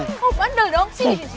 oh bandel dong